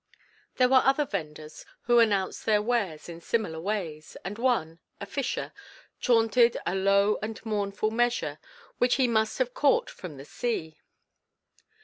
There were other venders who announced their wares in similar ways, and one, a fisher, chaunted a low and mournful measure which he must have caught from the sea.